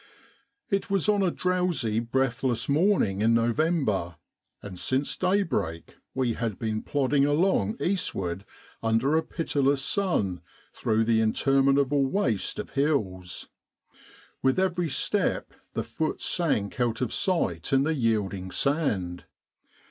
It was on a drowsy breathless morning in Nov ember, and since daybreak we had been plodding along eastward under a pitiless sun through the in terminable waste of hills. With every step the foot sank out of sight in the yielding sand.